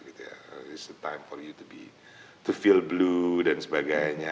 it's time for you to feel blue dan sebagainya